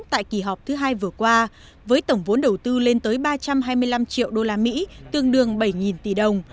tại kỳ họp thứ hai vừa qua với tổng vốn đầu tư lên tới ba trăm hai mươi năm triệu usd tương đương bảy tỷ đồng